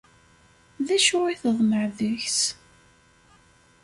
D acu i tḍemεeḍ deg-s?